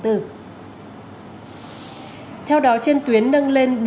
theo đó trên tuyến nâng lên